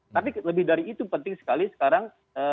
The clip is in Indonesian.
tapi lebih dari itu penting sekali sekarang